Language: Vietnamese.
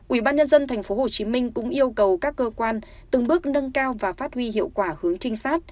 ubnd tp hcm cũng yêu cầu các cơ quan từng bước nâng cao và phát huy hiệu quả hướng trinh sát